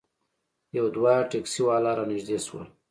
یو دوه ټیکسي والا رانږدې شول.